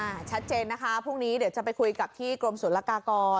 อะชัดเจนนะคะพรุ่งนี้จะไปคุยกับที่กรมสุรากาก